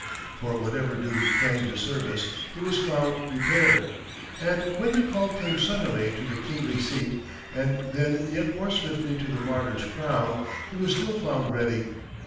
For whatever duty claimed his service he was found prepared; and when the call came suddenly to the kingly seat, and then yet more swiftly to the martyr's crown, he was still found ready.